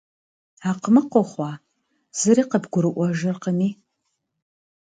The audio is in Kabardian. Акъмыкъ ухъуа, зыри къыбгурыӏуэжыркъыми?